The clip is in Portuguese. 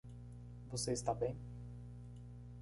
Você está bem?